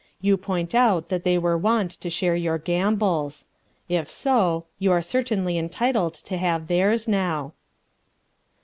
You point out that they were wont to share your gambols. If so, you are certainly entitled to have theirs now.